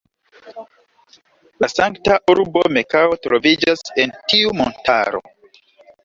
La sankta urbo Mekao troviĝas en tiu montaro.